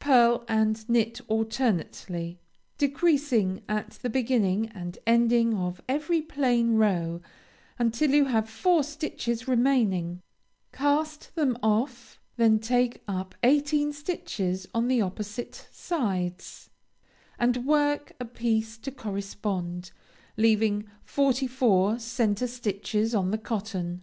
Pearl and knit alternately, decreasing at the beginning and ending of every plain row, until you have four stitches remaining; cast them off; then take up eighteen stitches on the opposite sides, and work a piece to correspond; leaving forty four centre stitches on the cotton.